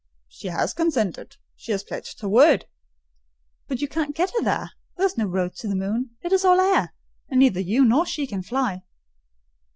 "She has consented: she has pledged her word." "But you can't get her there; there is no road to the moon: it is all air; and neither you nor she can fly."